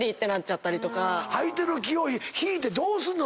相手の気を引いてどうすんの？